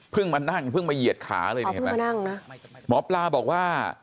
เพิ่งมานั่งเพิ่งมาเหยียดขาเลยเพิ่งมานั่งนะหมอปลาบอกว่า